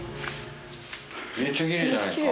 めっちゃきれいじゃないですか。